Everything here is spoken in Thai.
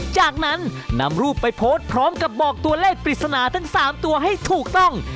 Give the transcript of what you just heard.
จากนั้นนำรูปไปโพสต์พร้อมกับบอกตัวเลขปริศนาทั้ง๓ตัวให้ถูกต้อง